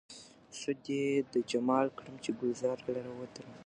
سود يې د جمال کړم، چې ګلزار لره ودرومم